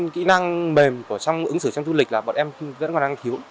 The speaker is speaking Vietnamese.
kỹ năng mềm của ứng xử trong du lịch là bọn em vẫn còn đang thiếu